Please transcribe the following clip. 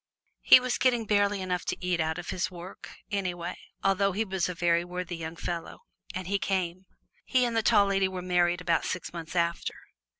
He was getting barely enough to eat out of his work, anyway, although he was a very worthy young fellow. And he came. He and the Tall Lady were married about six months after.